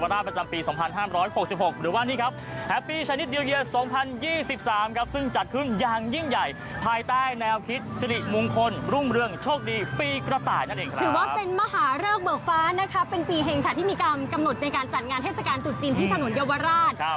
เดี๋ยวไว้ติดตามรายงานสดจากพื้นที่กันเลยนะครับ